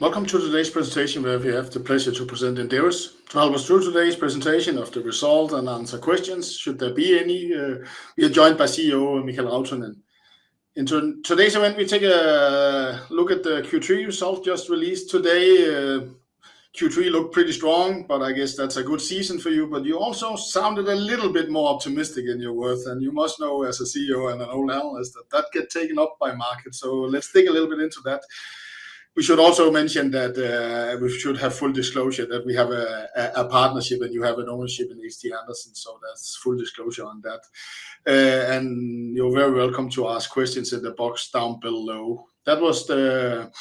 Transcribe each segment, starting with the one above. Welcome to today's presentation, where we have the pleasure to present Inderes. To help us through today's presentation of the result and answer questions, should there be any, we are joined by CEO Mikael Rautanen. In today's event, we take a look at the Q3 result just released today. Q3 looked pretty strong, but I guess that's a good season for you. But you also sounded a little bit more optimistic in your words, and you must know, as a CEO and an old analyst, that that get taken up by market. So let's dig a little bit into that. We should also mention that we should have full disclosure, that we have a partnership, and you have an ownership in H.C. Andersen, so that's full disclosure on that. And you're very welcome to ask questions in the box down below. That was the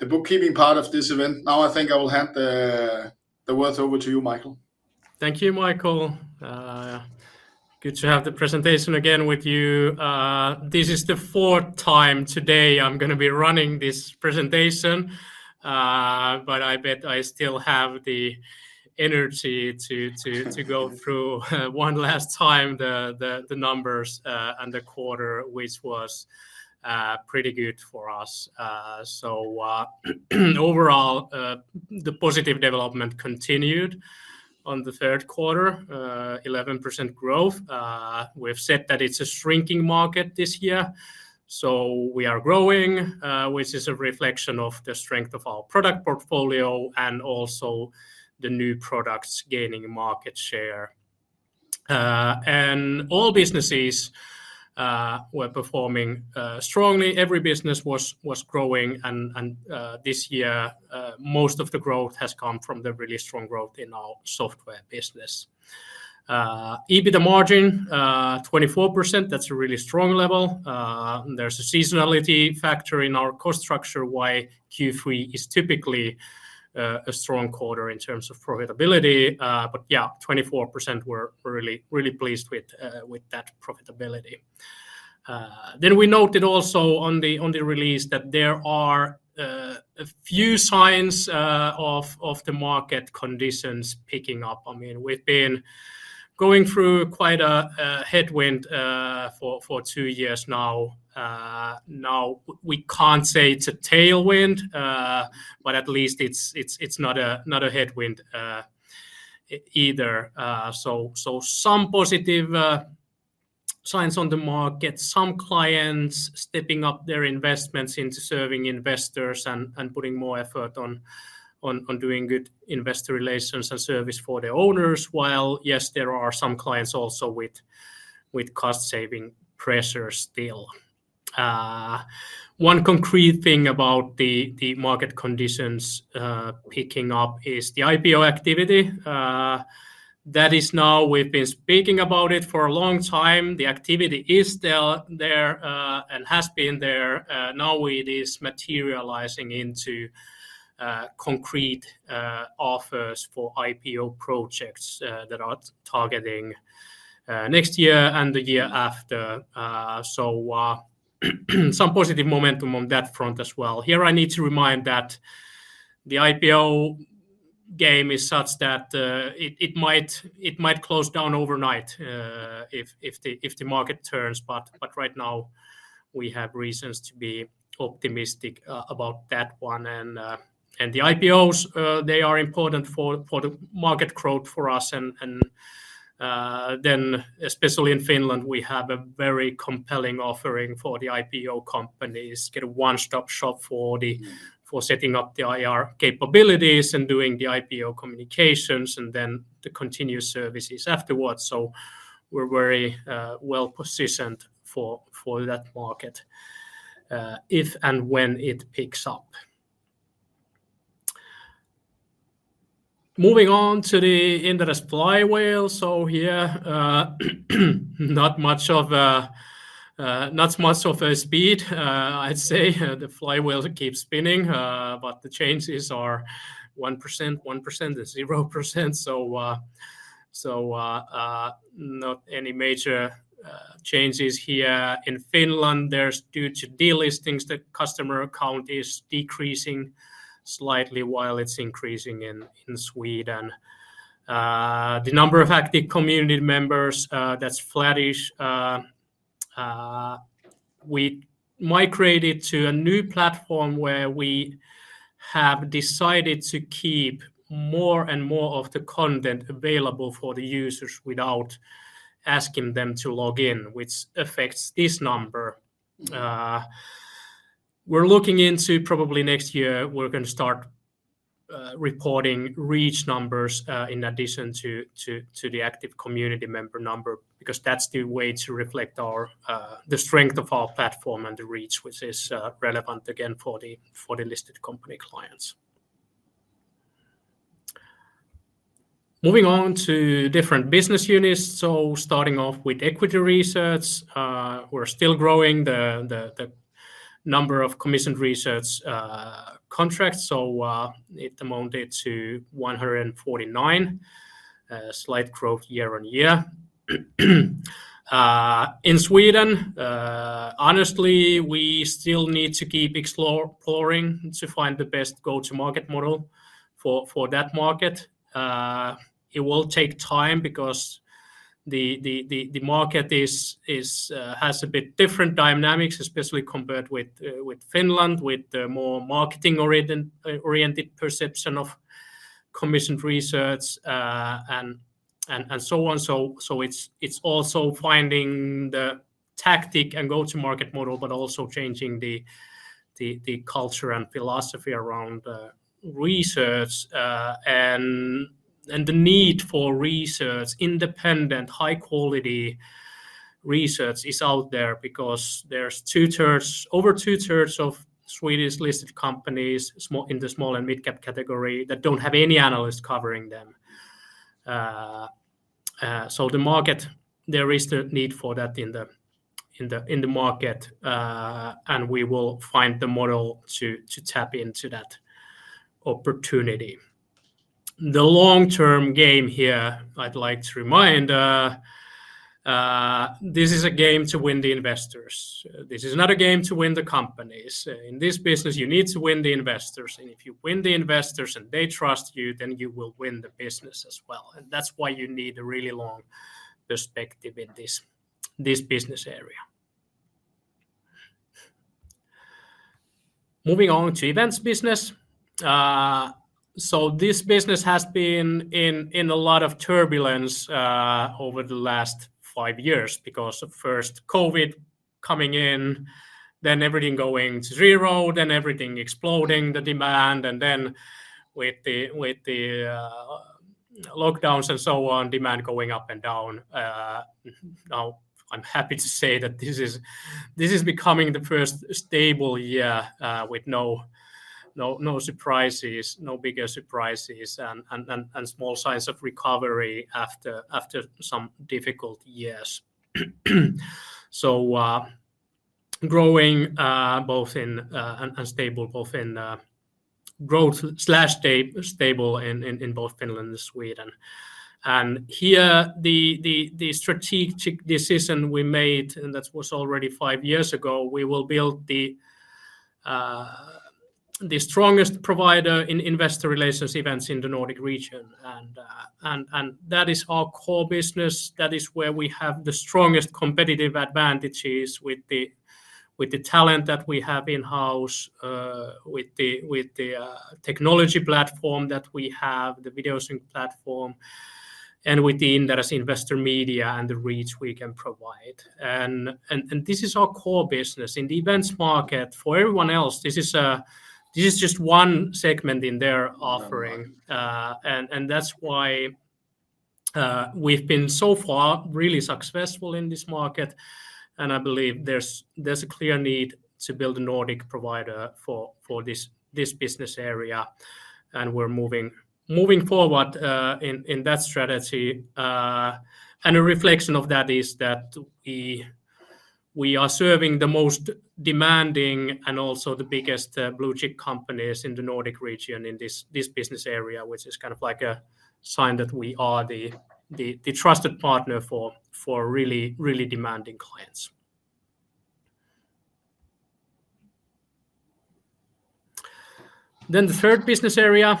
bookkeeping part of this event. Now, I think I will hand the words over to you, Mikael. Thank you, Michael. Good to have the presentation again with you. This is the fourth time today I'm gonna be running this presentation, but I bet I still have the energy to go through one last time the numbers and the quarter, which was pretty good for us. So, overall, the positive development continued on the third quarter, 11% growth. We've said that it's a shrinking market this year, so we are growing, which is a reflection of the strength of our product portfolio and also the new products gaining market share. All businesses were performing strongly. Every business was growing, and this year most of the growth has come from the really strong growth in our software business. EBITDA margin, 24%, that's a really strong level. There's a seasonality factor in our cost structure, why Q3 is typically a strong quarter in terms of profitability, but yeah, 24%, we're really, really pleased with that profitability. Then we noted also on the release that there are a few signs of the market conditions picking up. I mean, we've been going through quite a headwind for two years now. Now we can't say it's a tailwind, but at least it's not a headwind either. So, some positive signs on the market, some clients stepping up their investments into serving investors and putting more effort on doing good investor relations and service for their owners, while, yes, there are some clients also with cost-saving pressures still. One concrete thing about the market conditions picking up is the IPO activity. That is now. We've been speaking about it for a long time. The activity is still there and has been there, now it is materializing into concrete offers for IPO projects that are targeting next year and the year after. So, some positive momentum on that front as well. Here I need to remind that the IPO game is such that it might close down overnight if the market turns, but right now, we have reasons to be optimistic about that one, and the IPOs they are important for the market growth for us, and then especially in Finland, we have a very compelling offering for the IPO companies, get a one-stop shop for setting up the IR capabilities and doing the IPO communications, and then the continuous services afterwards, so we're very well-positioned for that market if and when it picks up. Moving on to the Inderes Flywheel, so here not much of a speed, I'd say the flywheel keeps spinning, but the changes are 1%, 1%, and 0%. So, not any major changes here. In Finland, there's due to delistings, the customer count is decreasing slightly, while it's increasing in Sweden. The number of active community members, that's flattish. We migrated to a new platform where we have decided to keep more and more of the content available for the users without asking them to log in, which affects this number. We're looking into probably next year, we're gonna start reporting reach numbers in addition to the active community member number, because that's the way to reflect our the strength of our platform and the reach, which is relevant again for the listed company clients. Moving on to different business units, so starting off with equity research, we're still growing the number of commissioned research contracts, so it amounted to 149, slight growth year on year. In Sweden, honestly, we still need to keep exploring to find the best go-to-market model for that market. It will take time because the market has a bit different dynamics, especially compared with Finland, with the more marketing-oriented perception of commissioned research, and so on. It's also finding the tactic and go-to-market model, but also changing the culture and philosophy around research, and the need for research. Independent, high-quality research is out there because there's over two-thirds of Swedish-listed companies in the small-cap and mid-cap category that don't have any analyst covering them. The market there is the need for that in the market, and we will find the model to tap into that opportunity. The long-term game here, I'd like to remind, this is a game to win the investors. This is not a game to win the companies. In this business, you need to win the investors, and if you win the investors and they trust you, then you will win the business as well, and that's why you need a really long perspective in this business area. Moving on to events business. So this business has been in a lot of turbulence over the last five years because of first COVID coming in, then everything going to zero, then everything exploding the demand, and then with the lockdowns and so on, demand going up and down. Now, I'm happy to say that this is becoming the first stable year with no surprises, no bigger surprises and small signs of recovery after some difficult years. So, growing both in and stable, both in growth slash stable in both Finland and Sweden. And here, the strategic decision we made, and that was already five years ago, we will build the strongest provider in investor relations events in the Nordic region, and that is our core business. That is where we have the strongest competitive advantages with the technology platform that we have, the Videosync platform, and with the investor media and the reach we can provide. And this is our core business. In the events market, for everyone else, this is just one segment in their offering, Mm. And that's why we've been so far really successful in this market, and I believe there's a clear need to build a Nordic provider for this business area, and we're moving forward in that strategy. And a reflection of that is that we are serving the most demanding and also the biggest blue-chip companies in the Nordic region in this business area, which is kind of like a sign that we are the trusted partner for really demanding clients. Then the third business area,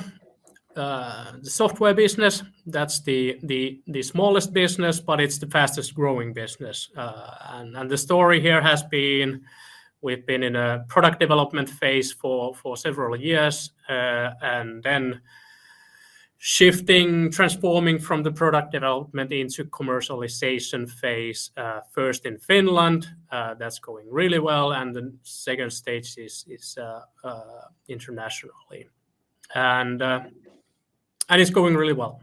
the software business, that's the smallest business, but it's the fastest-growing business. And the story here has been we've been in a product development phase for several years, and then shifting, transforming from the product development into commercialization phase, first in Finland, that's going really well, and the second stage is internationally. And it's going really well.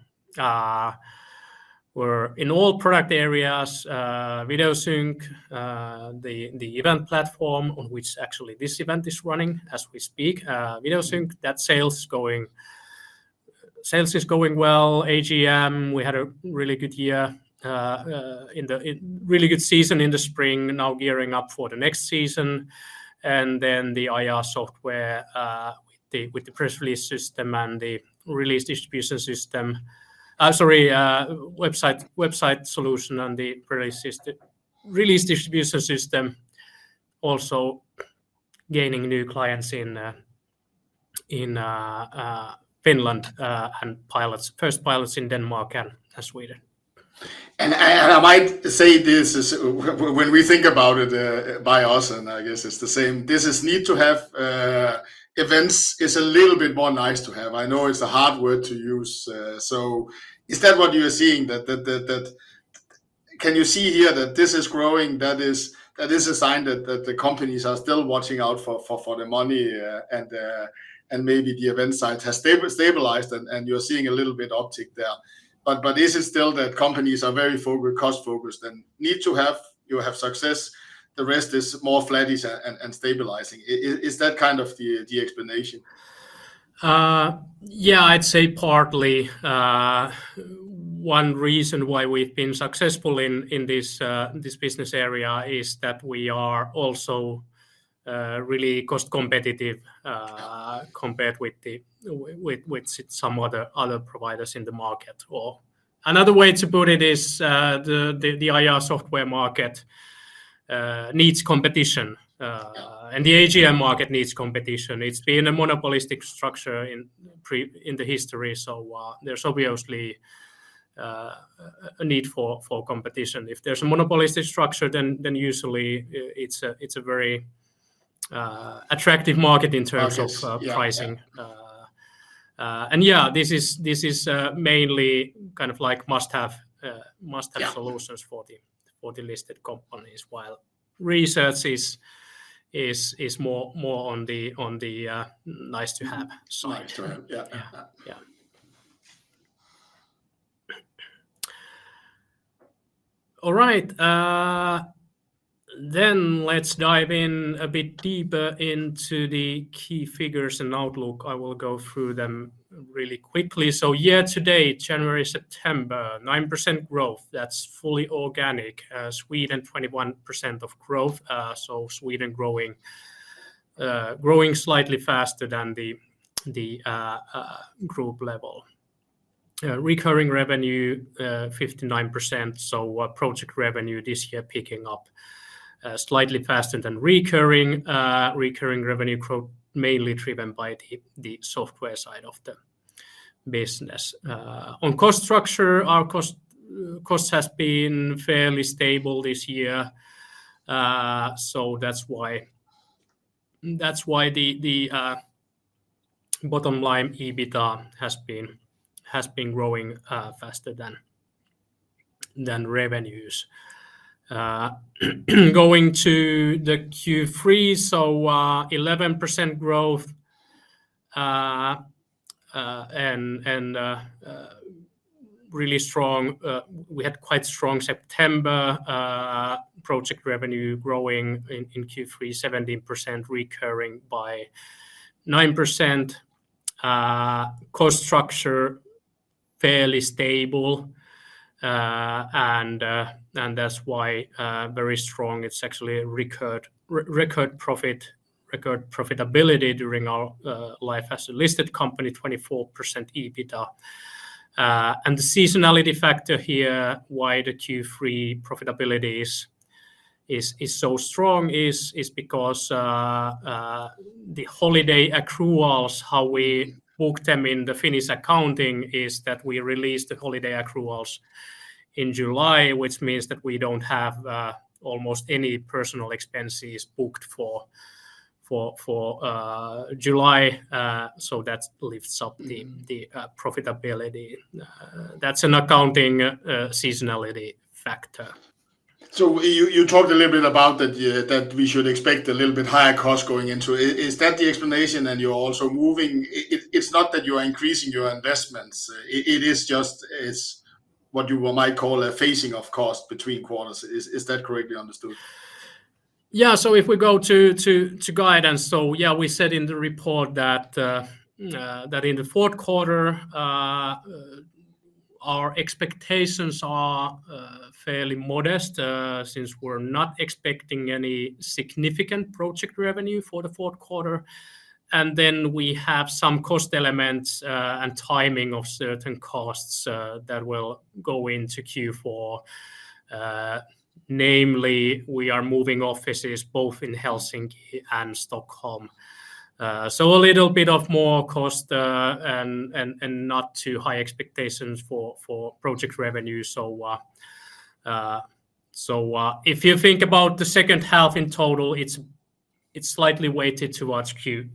We're in all product areas, Videosync, the event platform on which actually this event is running as we speak. Videosync, that sales is going sales is going well. AGM, we had a really good year, a really good season in the spring, now gearing up for the next season. And then the IR software, with the press release system and the release distribution system, website solution and the release distribution system, also gaining new clients in Finland, and first pilots in Denmark and Sweden. I might say this is, when we think about it, by us, and I guess it's the same. This is need to have, events is a little bit more nice to have. I know it's a hard word to use, so is that what you are seeing? That... Can you see here that this is growing? That is a sign that the companies are still watching out for the money, and maybe the event side has stabilized, and you're seeing a little bit uptick there. But this is still that companies are very cost-focused and need to have. You have success, the rest is more flattish and stabilizing. Is that kind of the explanation? Yeah, I'd say partly. One reason why we've been successful in this business area is that we are also really cost competitive compared with some other providers in the market. Or another way to put it is the IR software market needs competition and the AGM market needs competition. It's been a monopolistic structure in previous history, so there's obviously a need for competition. If there's a monopolistic structure, then usually it's a very attractive market in terms- Obviously... of pricing. Yeah, yeah. And yeah, this is mainly kind of like must-have. Yeah... solutions for the listed companies, while research is more on the nice-to-have side. Nice to have. Yeah. Yeah, yeah. All right, then let's dive in a bit deeper into the key figures and outlook. I will go through them really quickly. So year-to-date, January-September, 9% growth, that's fully organic. Sweden, 21% of growth, so Sweden growing slightly faster than the group level. Recurring revenue, 59%, so project revenue this year picking up slightly faster than recurring. Recurring revenue growth mainly driven by the software side of the business. On cost structure, our cost has been fairly stable this year. So that's why the bottom line, EBITDA, has been growing faster than revenues. Going to the Q3, so 11% growth, and really strong. We had quite strong September, project revenue growing in Q3 17%, recurring by 9%. Cost structure fairly stable, and that's why very strong, it's actually a record profit, record profitability during our life as a listed company, 24% EBITDA. And the seasonality factor here, why the Q3 profitability is so strong is because the holiday accruals, how we book them in the Finnish accounting, is that we release the holiday accruals in July, which means that we don't have almost any personnel expenses booked for July. So that lifts up the profitability. That's an accounting seasonality factor. So you talked a little bit about that, yeah, that we should expect a little bit higher cost going into it. Is that the explanation, and you're also moving... It's not that you're increasing your investments, it is just, it's what you might call a phasing of cost between quarters. Is that correctly understood? Yeah, so if we go to guide, and so yeah, we said in the report that in the fourth quarter our expectations are fairly modest since we're not expecting any significant project revenue for the fourth quarter. And then we have some cost elements and timing of certain costs that will go into Q4. Namely, we are moving offices both in Helsinki and Stockholm. So a little bit of more cost and not too high expectations for project revenue. So if you think about the second half in total, it's slightly weighted towards Q3.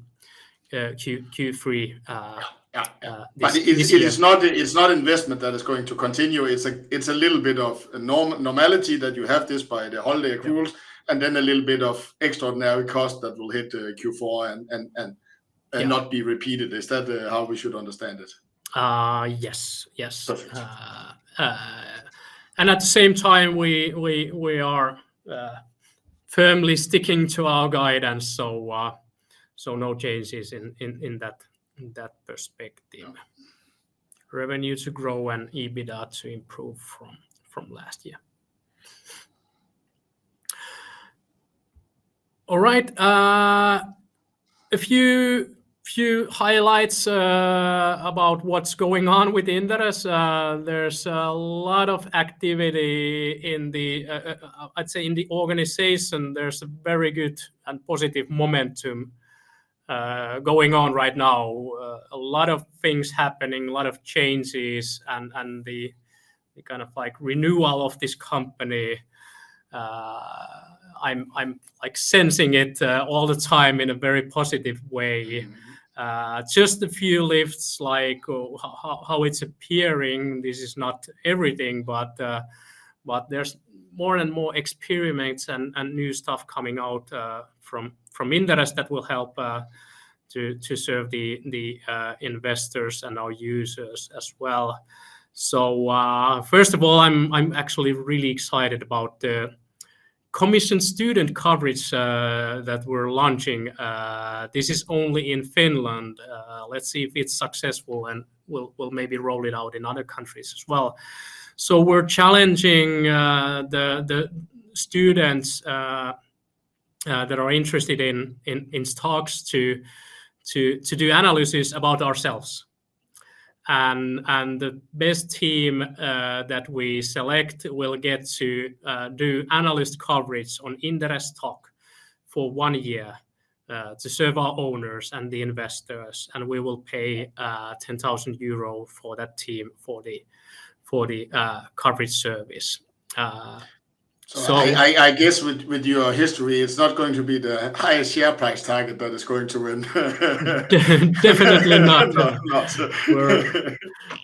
Yeah, yeah... this year. But it is not, it's not investment that is going to continue, it's a little bit of normality that you have this by the holiday accruals. Yeah... and then a little bit of extraordinary cost that will hit Q4 and, and, and- Yeah... and not be repeated. Is that, how we should understand it? Yes. Yes. Perfect. And at the same time, we are firmly sticking to our guide, and so no changes in that perspective. Yeah. Revenue to grow and EBITDA to improve from last year. All right, a few highlights about what's going on with Inderes. There's a lot of activity in the organization. There's a very good and positive momentum going on right now. A lot of things happening, a lot of changes, and the kind of like renewal of this company. I'm like sensing it all the time in a very positive way. Mm. Just a few lifts, like how it's appearing. This is not everything, but there's more and more experiments and new stuff coming out from Inderes that will help to serve the investors and our users as well. First of all, I'm actually really excited about the commissioned student coverage that we're launching. This is only in Finland. Let's see if it's successful, and we'll maybe roll it out in other countries as well. We're challenging the students that are interested in stocks to do analysis about ourselves. The best team that we select will get to do analyst coverage on Inderes stock for one year to serve our owners and the investors, and we will pay 10,000 euro for that team for the coverage service. So- I guess with your history, it's not going to be the highest share price target that is going to win. Definitely not! Not, not.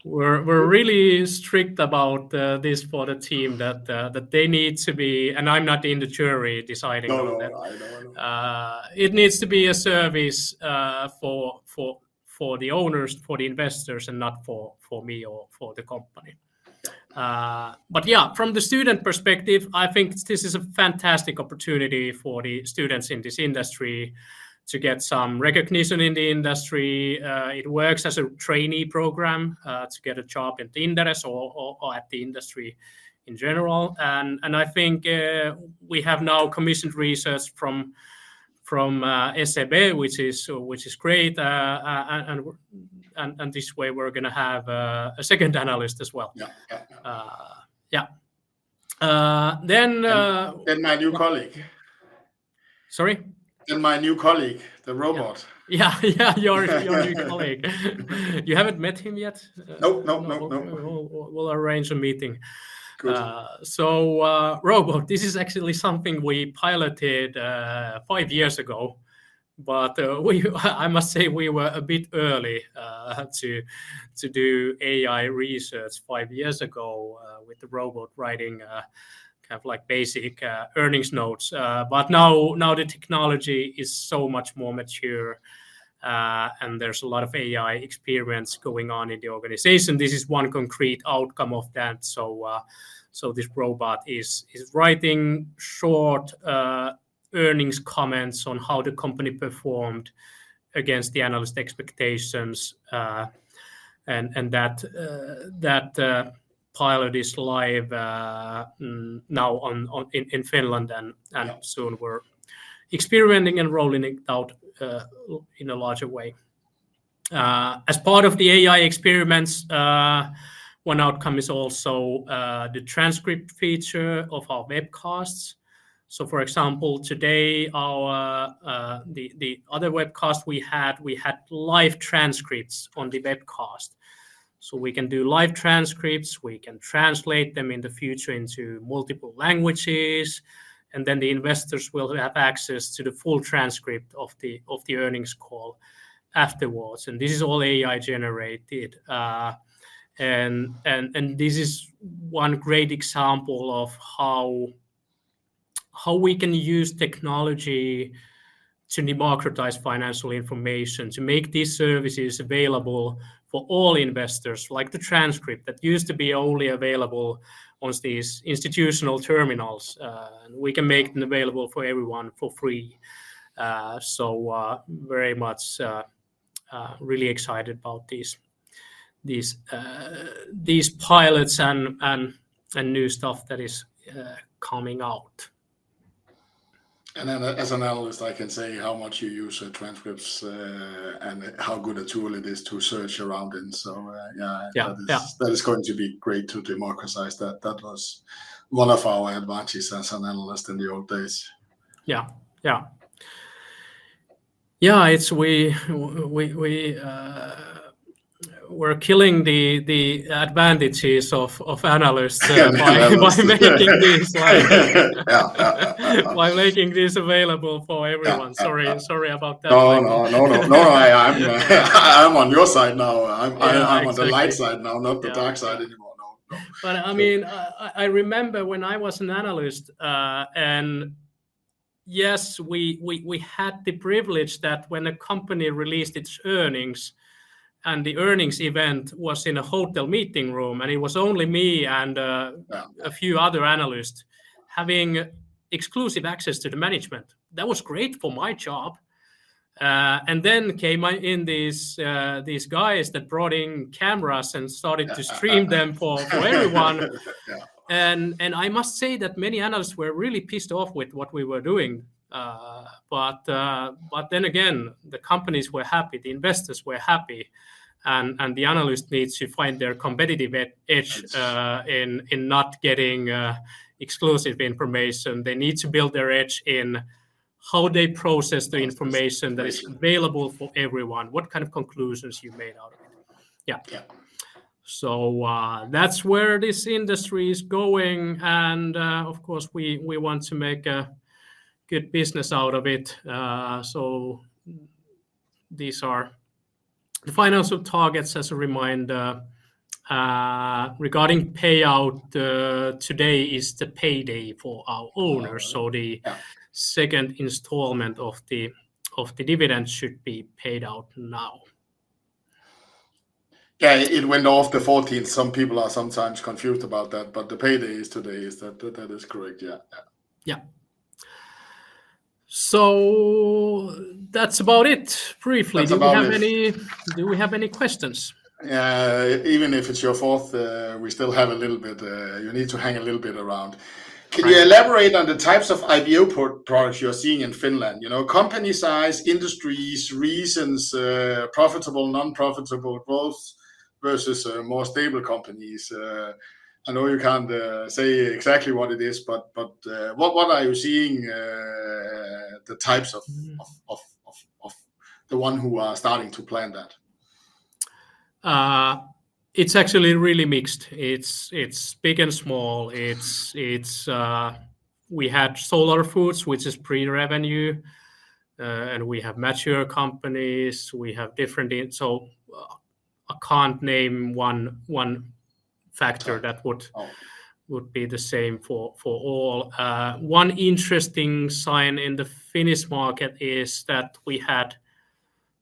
We're really strict about this for the team, that they need to be..., and I'm not in the jury deciding on that. No, no. I know, I know. It needs to be a service for the owners, for the investors, and not for me or for the company. But yeah, from the student perspective, I think this is a fantastic opportunity for the students in this industry to get some recognition in the industry. It works as a trainee program to get a job at Inderes or at the industry in general. I think we have now commissioned research from SEB, which is great. This way we're gonna have a second analyst as well. Yeah. Yeah, yeah. Yeah, then... Then my new colleague. Sorry? Then my new colleague, the robot. Yeah, yeah. Your, your new colleague. You haven't met him yet? Nope. No, no, no. We'll arrange a meeting. Good. Robot, this is actually something we piloted five years ago, but I must say we were a bit early to do AI research five years ago with the robot writing kind of like basic earnings notes. But now the technology is so much more mature, and there's a lot of AI experience going on in the organization. This is one concrete outcome of that, so this robot is writing short earnings comments on how the company performed against the analyst expectations. And that pilot is live now online in Finland, and- Yeah... and soon we're experimenting and rolling it out in a larger way. As part of the AI experiments, one outcome is also the transcript feature of our webcasts. So, for example, today, the other webcast we had, we had live transcripts on the webcast. So we can do live transcripts, we can translate them in the future into multiple languages, and then the investors will have access to the full transcript of the earnings call afterwards, and this is all AI-generated. And this is one great example of how we can use technology to democratize financial information, to make these services available for all investors, like the transcript that used to be only available on these institutional terminals. And we can make them available for everyone for free. Very much really excited about these pilots and new stuff that is coming out. And then, as an analyst, I can say how much you use the transcripts and how good a tool it is to search around in, so yeah. Yeah. Yeah. That is going to be great to democratize that. That was one of our advantages as an analyst in the old days. Yeah, yeah. Yeah, it's we, we're killing the advantages of analysts- Yeah, the analysts.... by making these like Yeah. Yeah, yeah. By making this available for everyone. Yeah. Sorry, sorry about that. No, no, no, no. No, I'm on your side now. Yeah, exactly. I'm on the light side now. Yeah... not the dark side anymore. No, no. But, I mean, I remember when I was an analyst, and yes, we had the privilege that when a company released its earnings, and the earnings event was in a hotel meeting room, and it was only me and Yeah... a few other analysts having exclusive access to the management. That was great for my job. And then came in these guys that brought in cameras and started to stream them for everyone. Yeah. I must say that many analysts were really pissed off with what we were doing. But then again, the companies were happy, the investors were happy, and the analysts need to find their competitive edge- Edge... in not getting exclusive information. They need to build their edge in how they process the information- Process... that is available for everyone, what kind of conclusions you made out of it? Yeah. Yeah. That's where this industry is going, and, of course, we want to make a good business out of it. These are the financial targets as a reminder. Regarding payout, today is the payday for our owners. Yeah... so the second installment of the dividends should be paid out now. Yeah, it went off the 14th. Some people are sometimes confused about that, but the payday is today. Is that... That is correct, yeah. Yeah. Yeah, so that's about it briefly. That's about it. Do we have any questions?... even if it's your fourth, we still have a little bit, you need to hang a little bit around. Right. Can you elaborate on the types of IPO prospects you're seeing in Finland? You know, company size, industries, reasons, profitable, non-profitable, growth versus more stable companies. I know you can't say exactly what it is, but what are you seeing, the types of- Mm... of the one who are starting to plan that? It's actually really mixed. It's big and small. We had Solar Foods, which is pre-revenue, and we have mature companies, we have different. So, I can't name one factor that would- Oh... would be the same for all. One interesting sign in the Finnish market is that we had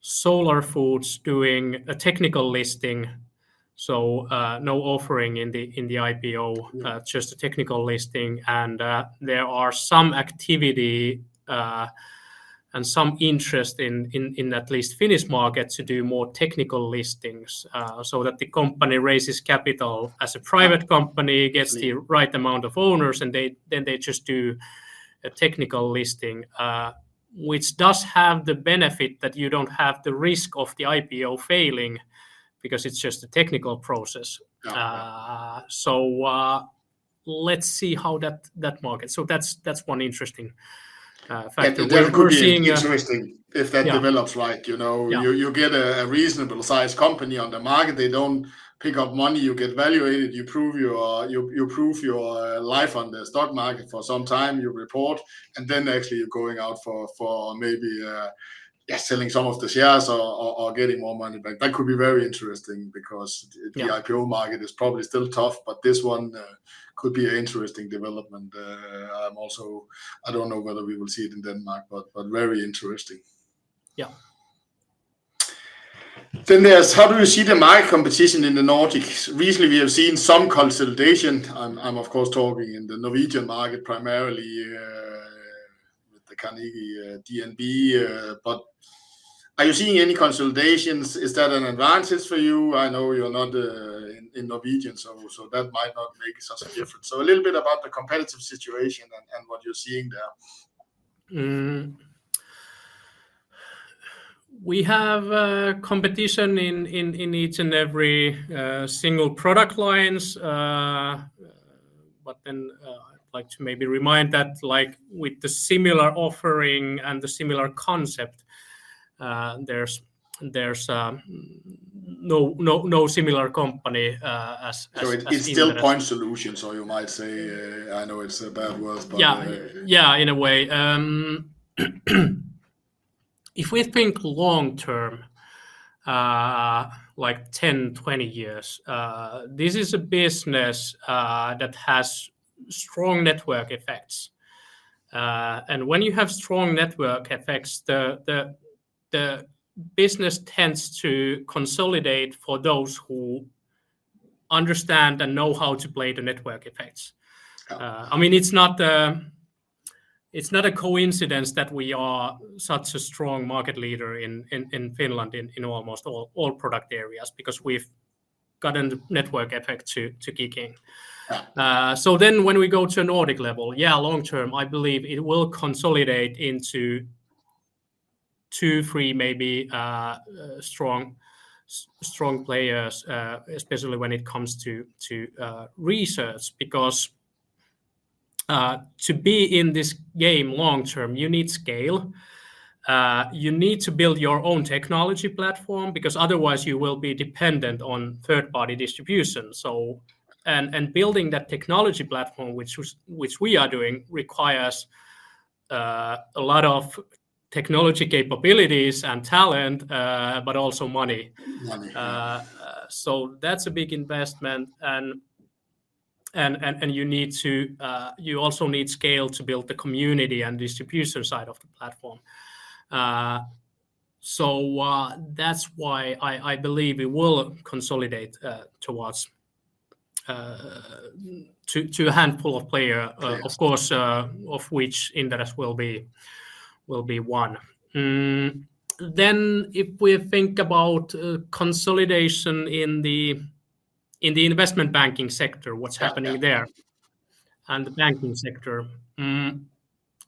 Solar Foods doing a technical listing, so no offering in the IPO- Yeah... just a technical listing. There are some activity and some interest in at least the Finnish market to do more technical listings, so that the company raises capital as a private company- Yeah... gets the right amount of owners, and they, then they just do a technical listing. Which does have the benefit that you don't have the risk of the IPO failing because it's just a technical process. Yeah. So, let's see how that market... So that's one interesting factor. What we're seeing- That could be interesting- Yeah... if that develops, right? Yeah. You know, you get a reasonable sized company on the market. They don't pick up money. You get valuated. You prove your life on the stock market for some time, you report, and then actually you're going out for maybe selling some of the shares or getting more money. But that could be very interesting because- Yeah... the IPO market is probably still tough, but this one could be an interesting development. I'm also... I don't know whether we will see it in Denmark, but very interesting. Yeah. How do you see the market competition in the Nordics? Recently, we have seen some consolidation. I'm of course talking in the Norwegian market primarily, with the Carnegie, DNB. But are you seeing any consolidations? Is that an advantage for you? I know you're not in Norway, so that might not make such a difference. So a little bit about the competitive situation and what you're seeing there. We have competition in each and every single product lines. But then I'd like to maybe remind that, like, with a similar offering and a similar concept, there's no similar company as Inderes. So it's still point solution, so you might say, I know it's a bad word, but, Yeah, yeah, in a way. If we think long term, like 10, 20 years, this is a business that has strong network effects, and when you have strong network effects, the business tends to consolidate for those who understand and know how to play the network effects. Yeah. I mean, it's not a coincidence that we are such a strong market leader in Finland in almost all product areas because we've gotten the network effect to kicking. Yeah. So then when we go to Nordic level, yeah, long term, I believe it will consolidate into two, three, maybe strong players, especially when it comes to research. Because to be in this game long term, you need scale. You need to build your own technology platform, because otherwise you will be dependent on third-party distribution. So, and building that technology platform, which we are doing, requires a lot of technology capabilities and talent, but also money. Money. So that's a big investment, and you also need scale to build the community and distributor side of the platform. That's why I believe it will consolidate towards to a handful of player- Yeah... of course, of which Inderes will be one. Then if we think about consolidation in the investment banking sector, what's happening there- Yeah... and the banking sector.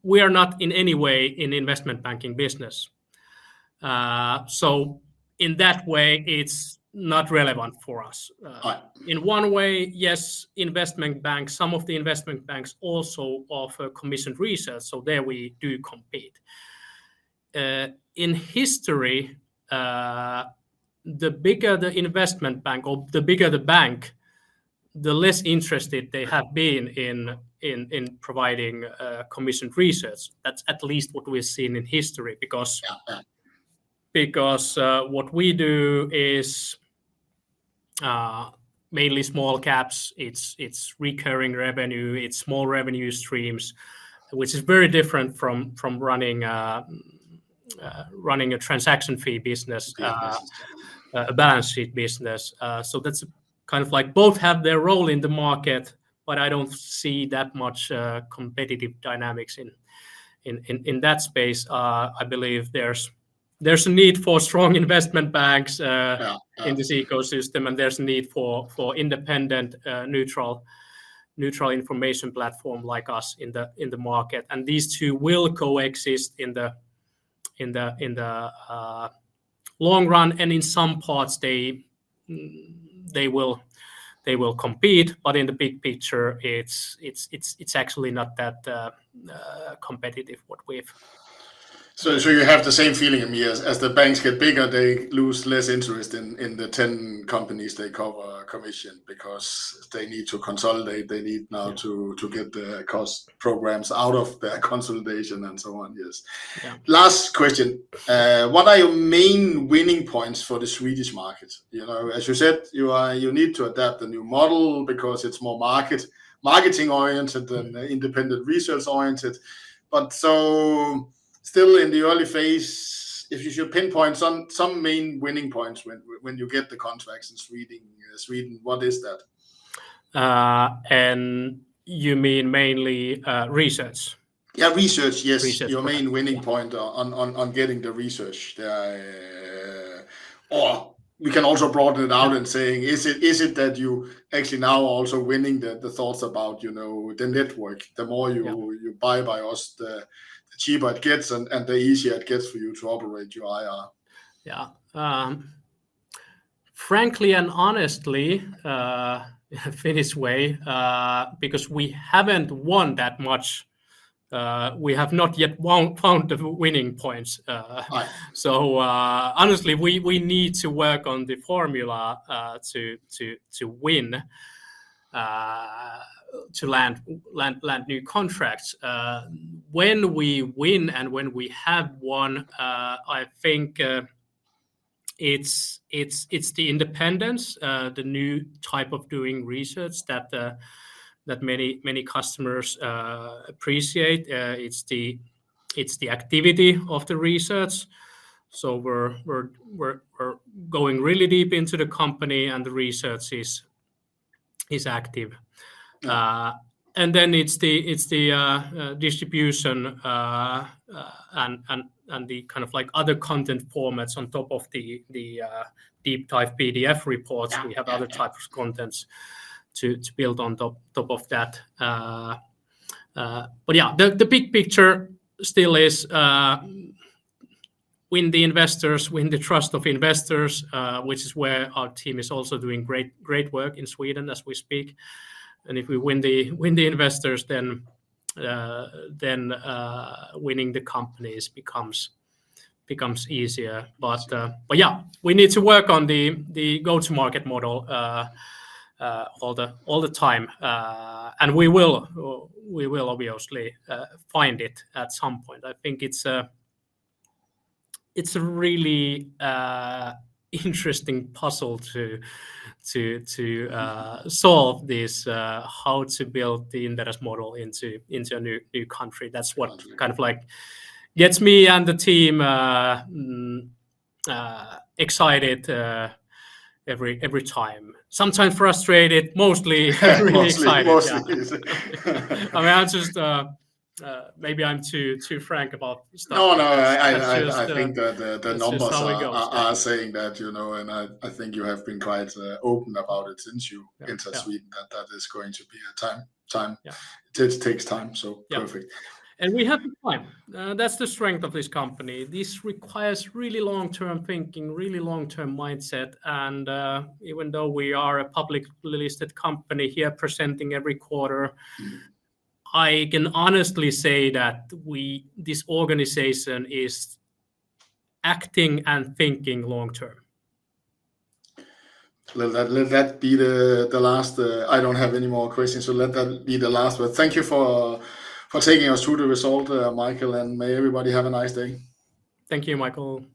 We are not in any way in investment banking business. So in that way, it's not relevant for us. Right. In one way, yes, investment banks, some of the investment banks also offer commissioned research, so there we do compete. In history, the bigger the investment bank or the bigger the bank, the less interested they have been in- Yeah... in providing commissioned research. That's at least what we've seen in history. Because- Yeah. Yeah... because what we do is mainly small caps. It's recurring revenue, it's small revenue streams, which is very different from running a transaction fee business- ahh a balance sheet business, so that's kind of like both have their role in the market, but I don't see that much competitive dynamics in that space. I believe there's a need for strong investment banks. Yeah in this ecosystem, and there's a need for independent, neutral information platform like us in the long run, and in some parts they will compete, but in the big picture, it's actually not that competitive what we have. So you have the same feeling as me, as the banks get bigger, they lose less interest in the 10 companies they cover commission because they need to consolidate. They need now ahh... to get the cost programs out of their consolidation and so on. Yes. Yeah. Last question: What are your main winning points for the Swedish market? You know, as you said, you need to adapt a new model because it's more marketing-oriented than independent research-oriented. But so still in the early phase, if you should pinpoint some main winning points when you get the contracts in Sweden, what is that? And you mean mainly research? Yeah, research, yes. Research. Your main winning point on getting the research. Or we can also broaden it out and saying, is it that you actually now also winning the thoughts about, you know, the network? Yeah. The more you buy by us, the cheaper it gets and the easier it gets for you to operate your IR. Yeah. Frankly and honestly, Finnish way, because we haven't won that much, we have not yet found the winning points. Right. Honestly, we need to work on the formula to win, to land new contracts. When we win and when we have won, I think it's the independence, the new type of doing research that many customers appreciate. It's the activity of the research, so we're going really deep into the company, and the research is active. ahhh. And then it's the distribution and the kind of like other content formats on top of the deep dive PDF reports. Yeah, yeah. We have other types of contents to build on top of that. But yeah, the big picture still is win the investors, win the trust of investors, which is where our team is also doing great work in Sweden as we speak. And if we win the investors, then winning the companies becomes easier. But yeah, we need to work on the go-to-market model all the time. And we will obviously find it at some point. I think it's a really interesting puzzle to solve this how to build the Inderes model into a new country. That's what kind of like gets me and the team excited every time. Sometimes frustrated, mostly excited- Mostly. Mostly. Yeah. I mean, I'm just maybe I'm too frank about stuff. No, I— That's just.... think that the numbers- That's just how it goes.... are saying that, you know, and I think you have been quite open about it since you got to Sweden. Yeah... that is going to be a time. Yeah. It takes time, so. Yeah... perfect. We have the time. That's the strength of this company. This requires really long-term thinking, really long-term mindset. Even though we are a public listed company here presenting every quarter- Mm ... I can honestly say that we, this organization is acting and thinking long term. Let that be the last one. I don't have any more questions, so let that be the last one. Thank you for taking us through the result, Michael, and may everybody have a nice day. Thank you, Michael.